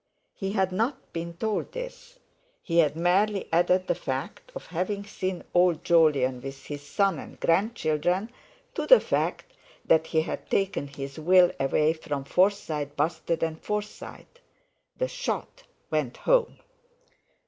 He had not been told this; he had merely added the fact of having seen old Jolyon with his son and grandchildren to the fact that he had taken his Will away from Forsyte, Bustard and Forsyte. The shot went home.